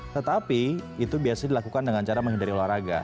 tetapi itu biasanya dilakukan dengan cara menghindari olahraga